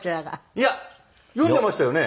いや読んでましたよね？